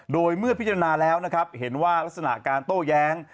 โดยเมื่อพิจารณาแล้วนะครับเห็นว่ารักษณะการโต้แย้ง